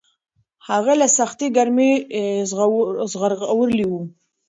هغه له سختې ګرمۍ ژغورلی و.